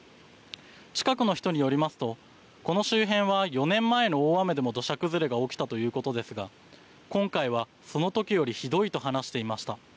近くの人によりますとこの周辺は４年前の大雨でも土砂崩れが起きたということですが今回はそのときよりひどいと話していました。